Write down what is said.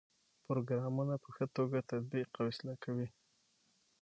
پروګرامونه په ښه توګه تطبیق او اصلاح کوي.